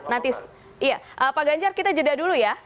nanti pak ganjar kita jeda dulu ya